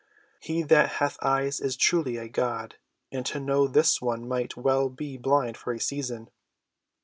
"He that hath eyes is truly a god, and to know this one might well be blind for a season."